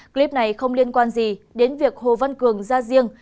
clip này không liên quan gì đến việc hồ văn cường ra riêng